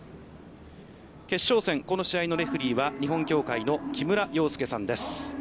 決勝戦この試合のレフリーは日本協会の木村陽介さんです。